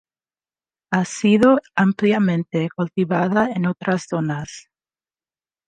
Ha sido ampliamente cultivada en otras zonas.